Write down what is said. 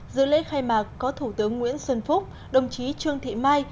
dự lễ khai mạc có thủ tướng nguyễn xuân phúc đồng chí trương thị mai